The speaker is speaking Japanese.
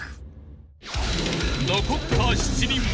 ［残った７人は］